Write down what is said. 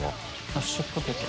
「ハッシュドポテト」